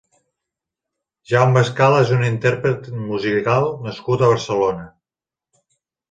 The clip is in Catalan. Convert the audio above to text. Jaume Escala és un intérpret musical nascut a Barcelona.